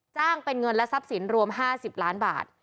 เป็นเงินและทรัพย์สินรวม๕๐ล้านบาท